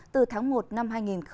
từ tháng một năm hai nghìn hai mươi một